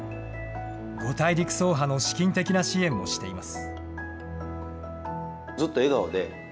５大陸走破の資金的な支援もしています。